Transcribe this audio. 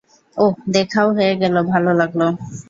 ওহ - দেখাও হয়ে ভালো লাগল।